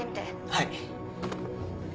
はい。